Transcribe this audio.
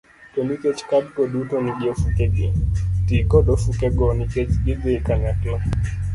To nikech kadgo duto nigi ofukegi, ti kod ofukego nikech gidhi kanyakla